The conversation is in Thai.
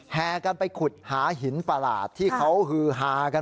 แห่กันไปขุดหาหินประหลาดที่เขาฮือฮากัน